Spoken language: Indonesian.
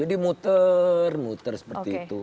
jadi muter muter seperti itu